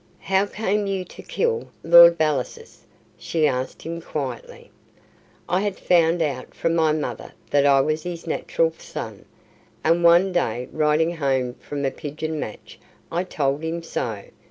"How came you to kill Lord Bellasis?" she asked him quietly. "I had found out from my mother that I was his natural son, and one day riding home from a pigeon match I told him so.